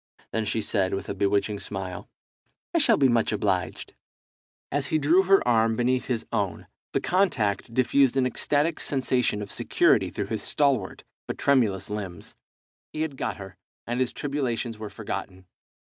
Then she said, with a bewitching smile "I shall be much obliged." As he drew her arm beneath his own the contact diffused an ecstatic sensation of security through his stalwart but tremulous limbs. He had got her, and his tribulations were forgotten.